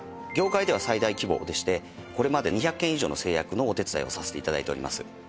業界では最大規模でしてこれまで２００件以上の成約のお手伝いをさせて頂いております。